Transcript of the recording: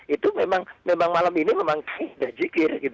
itu memang malam ini memang tidak zikir